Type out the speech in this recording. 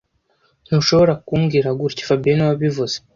Ntushobora kumbwira gutya fabien niwe wabivuze